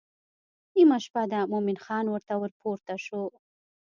نیمه شپه ده مومن خان ورته ورپورته شو.